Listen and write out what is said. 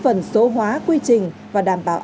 phần số hóa quy trình và đảm bảo